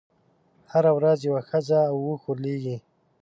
هره ورځ یوه ښځه او اوښ ورلېږي.